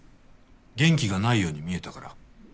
元気がないように見えたから。